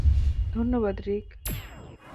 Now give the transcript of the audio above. ধন্যবাদ, রিক।